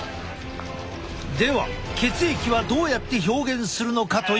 では血液はどうやって表現するのかというと。